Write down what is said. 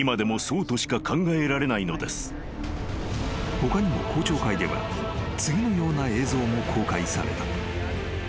［他にも公聴会では次のような映像も公開された］